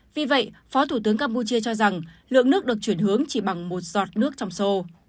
vì vậy phó thủ tướng campuchia cho rằng lượng nước được chuyển hướng chỉ bằng một giọt nước trong sô